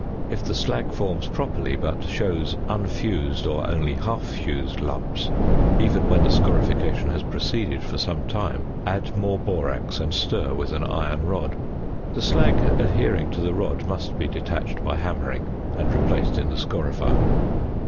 If the slag forms properly, but shows unfused or only half fused lumps, even when the scorification has proceeded for some time, add more borax, and stir with an iron rod. The slag adhering to the rod must be detached by hammering, and replaced in the scorifier.